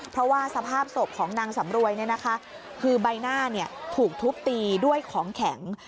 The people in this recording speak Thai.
เพราะว่าสภาพศพของนางสำรวยคือใบหน้าถูกทุบตีด้วยของแข็ง